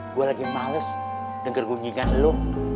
gue lagi males denger bunyi bunyi lu